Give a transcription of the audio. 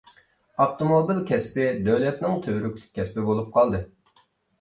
ئاپتوموبىل كەسپى دۆلەتنىڭ تۈۋرۈكلۈك كەسپى بولۇپ قالدى.